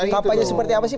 kapannya seperti apa sih